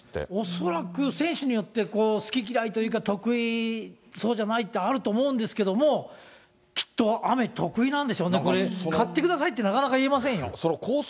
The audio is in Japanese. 恐らく選手によって、好き嫌いというか、得意、そうじゃないってあると思うんですけれども、きっと雨得意なんでしょうね、これ、買ってくださいってなかなか言えませんよ。コース